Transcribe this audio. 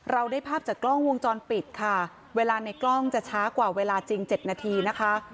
เราได้ภาพจากกล้องวงจรปิดค่ะเวลาในกล้องจะช้ากว่าเวลาจริง๗นาทีนะคะ